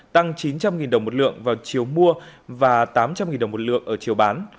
tăng chín trăm linh đồng một lượng vào chiều mua và tám trăm linh đồng một lượng ở chiều bán